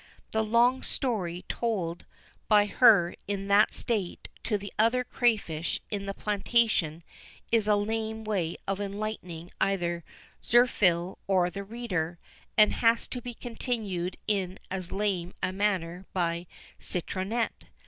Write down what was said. The long story told by her in that state to the other crayfish in the plantation is a lame way of enlightening either Zirphil or the reader, and has to be continued in as lame a manner by Citronette.